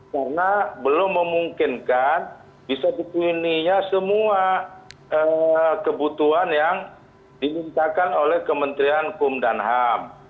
karena belum memungkinkan bisa dipunyai semua kebutuhan yang diminta oleh kementerian hukum dan ham